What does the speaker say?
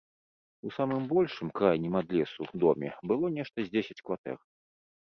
У самым большым, крайнім ад лесу, доме было нешта з дзесяць кватэр.